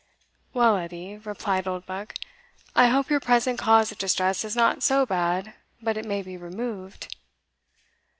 "Well, Edie," replied Oldbuck, "I hope your present cause of distress is not so bad but it may be removed."